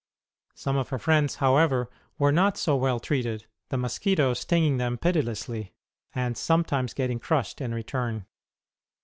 Some of her friends, however, were not so well treated, the mosquitoes stinging them pitilessly, and sometimes getting crushed in return.